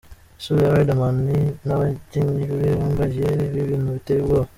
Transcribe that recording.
Isura ya Riderman n'ababyinnyi be bambaye ibi bintu biteye ubwoba.